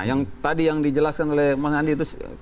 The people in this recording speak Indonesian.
yang tadi yang dijelaskan oleh mas andi itu